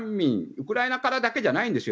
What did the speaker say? ウクライナからだけじゃないんですよ